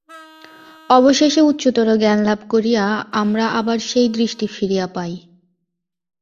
অবশেষে উচ্চতর জ্ঞানলাভ করিয়া আমরা আবার সেই দৃষ্টি ফিরিয়া পাই।